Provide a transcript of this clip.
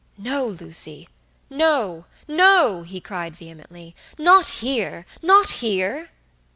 "No, Lucy; no, no!" he cried, vehemently, "not here, not here!"